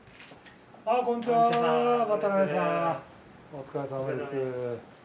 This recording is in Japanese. お疲れさまです。